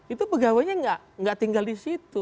itu pegawainya nggak tinggal di situ